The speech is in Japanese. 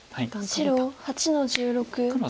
白８の十六トビ。